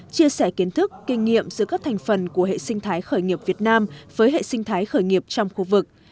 chia sẻ kiến thức kinh nghiệm giữa các thành phần của hệ sinh thái khởi nghiệp việt nam với hệ sinh thái khởi nghiệp trong khu vực